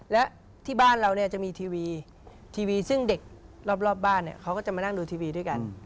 และที่บ้านเราเนี่ยจะมีทีวีซึ่งเด็กรอบบ้านเนี่ยเขาก็จะมานั่งดูทีวีด้วยกัน